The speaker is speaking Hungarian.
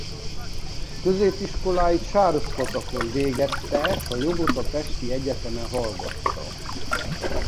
Középiskoláit Sárospatakon végezte s a jogot a pesti egyetemen hallgatta.